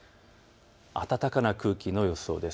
暖かな空気の予想です。